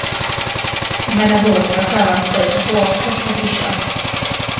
Mae 'na fwrdd ar gael am chwech o' gloch os dach chi isio.